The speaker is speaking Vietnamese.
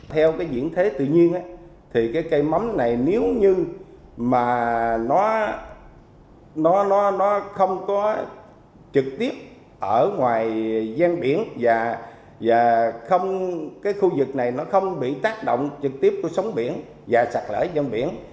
theo dĩnh thế tự nhiên cây mắm này nếu như không có trực tiếp ở ngoài giang biển và không bị tác động trực tiếp của sống biển và sạc lở giang biển